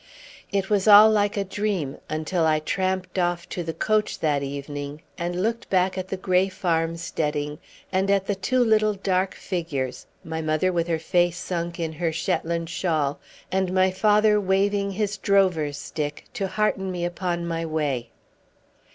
It was all like a dream, until I tramped off to the coach that evening, and looked back at the grey farm steading and at the two little dark figures: my mother with her face sunk in her Shetland shawl, and my father waving his drover's stick to hearten me upon my way.